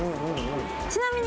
ちなみに。